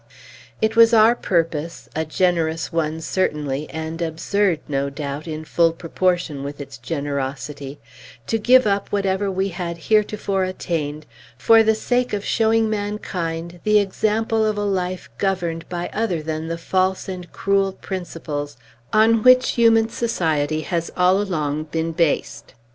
It was our purpose a generous one, certainly, and absurd, no doubt, in full proportion with its generosity to give up whatever we had heretofore attained, for the sake of showing mankind the example of a life governed by other than the false and cruel principles on which human society has all along been based.